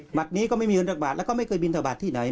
หลักนี้ก็ไม่มีวนทักบาทและไม่เคยบินทะบาทที่ไหน